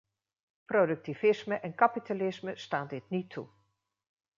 Productivisme en kapitalisme staan dit niet toe.